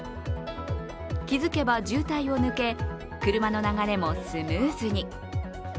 気づけば渋滞を抜け、車の流れもスムーズに。